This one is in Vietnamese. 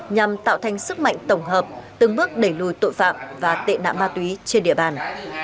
nhằm tạo thành sức mạnh tổng hợp từng bước đẩy lùi tội phạm và tệ nạn ma túy trên địa bàn